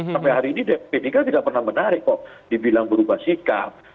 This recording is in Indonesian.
sampai hari ini p tiga tidak pernah menarik kok dibilang berubah sikap